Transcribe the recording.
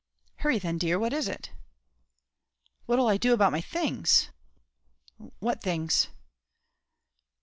"Hurry then, dear, what is it?" "What 'll I do about my things?" "What things?"